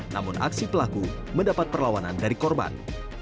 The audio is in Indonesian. namun aksi pelaku mendapat perlawanan dari korban